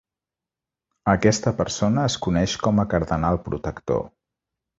Aquesta persona es coneix com a "Cardenal Protector".